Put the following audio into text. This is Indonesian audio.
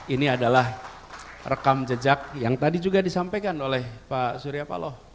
ini adalah rekam jejak yang tadi juga disampaikan oleh pak surya paloh